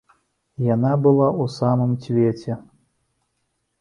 Яна была ў самым цвеце.